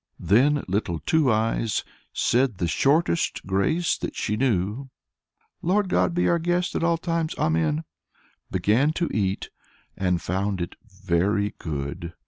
Then Little Two Eyes said the shortest grace that she knew, "Lord God, be our guest at all times. Amen," began to eat, and found it very good.